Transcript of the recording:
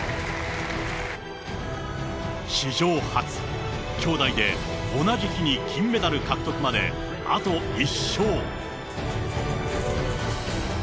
史上初、兄妹で同じ日に金メダル獲得まであと１勝。